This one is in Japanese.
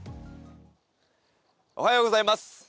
おはようございます。